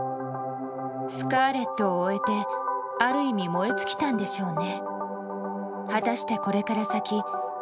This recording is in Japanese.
「スカーレット」を終えてある意味燃え尽きたんでしょうね。